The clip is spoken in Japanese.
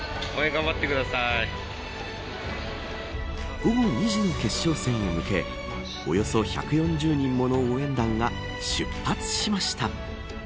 午後２時の決勝戦に向けおよそ１４０人もの応援団が出発しました。